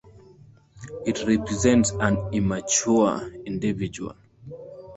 It represents an immature individual.